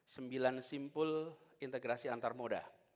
sembilan simpul integrasi antar moda